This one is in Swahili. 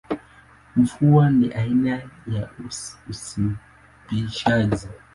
Mvua ni aina ya usimbishaji.